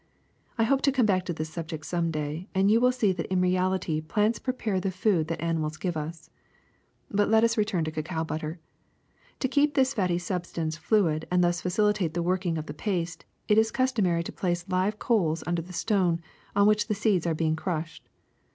I hope to come back to this subject some day, and you will see that in reality plants prepare the food that animals give us. ^^But let us return to cacao butter. To keep this fatty substance fluid and thus facilitate the working of the paste, it is customary to place live coals under the stone on which the seeds are being crushed.